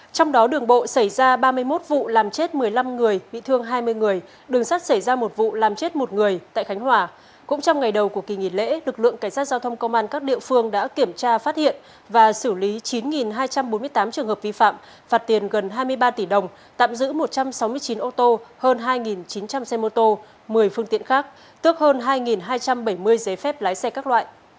cũng trong ngày đầu của kỳ nghỉ lễ lực lượng cảnh sát giao thông công an các địa phương đã kiểm tra phát hiện và xử lý chín hai trăm bốn mươi tám trường hợp vi phạm phạt tiền gần hai mươi ba tỷ đồng tạm giữ một trăm sáu mươi chín ô tô hơn hai chín trăm linh xe mô tô một mươi phương tiện khác tước hơn hai hai trăm bảy mươi giấy phép lái xe các loại